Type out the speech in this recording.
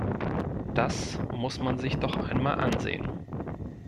Das muss man sich doch einmal ansehen.